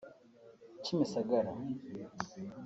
Kimisagara